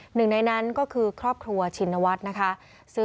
หนึ่งในนั้นก็คือครอบครัวชินวัฒน์นะคะ